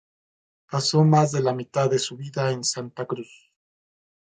Pasó más de la mitad de su vida en Santa Cruz.